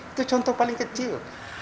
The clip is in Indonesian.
itu contoh paling kecil